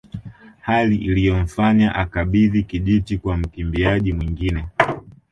Hali iliyomfanya akabidhi kijiti kwa mkimbiaji mwingine